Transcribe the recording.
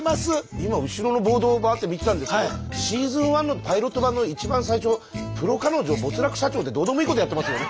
今後ろのボードをバーッて見てたんですけどシーズン１のパイロット版の一番最初「プロ彼女・没落社長」ってどうでもいいことやってますもんね。